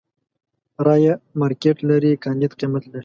رايې مارکېټ لري، کانديد قيمت لري.